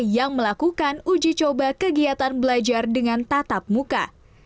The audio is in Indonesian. yang melakukan uji coba kegiatan belajar dengan tatap muka